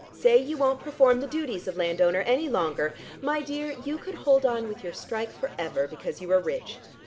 "Say you won't perform the duties of landowner any longer. My dear, you could hold on with your strike for ever, because you are rich.